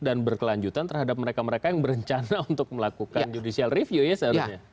dan berkelanjutan terhadap mereka mereka yang berencana untuk melakukan judicial review ya seharusnya